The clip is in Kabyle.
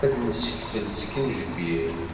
Ad d-nsekfel skenjbir.